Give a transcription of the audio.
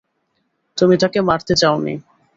তুমি তাকে মারতে চাওনি।